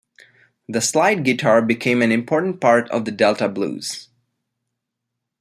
The slide guitar became an important part of the Delta blues.